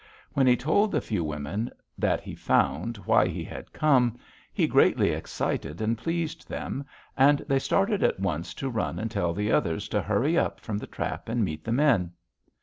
When he told the few women that he found why he had come, he greatly excited and pleased them, and they started at once to run and tell the others to hurry up from the trap and meet the men.